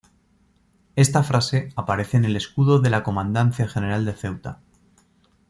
Esta frase aparece en el escudo de la Comandancia General de Ceuta.